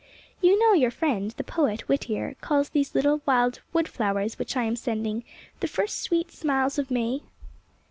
" You know% your friend, the poet, Whittier, calls these little wild wood flowers which I am sending ' The first sweet smiles of May